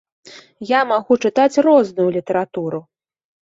Я магу чытаць розную літаратуру.